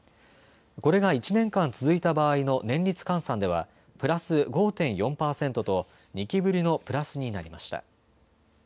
これが１年間続いた場合の年率換算ではプラス５．４％と２期ぶりのプラスになりました。